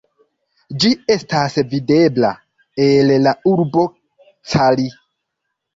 Ĝi estas videbla el la urbo Cali.